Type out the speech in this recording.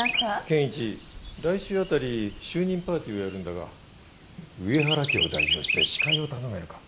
憲一来週あたり就任パーティーをやるんだが上原家を代表して司会を頼めるか？